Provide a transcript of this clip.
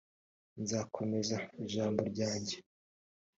nzakomeza ijambo ryanjye.